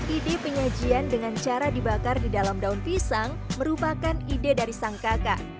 ide penyajian dengan cara dibakar di dalam daun pisang merupakan ide dari sang kakak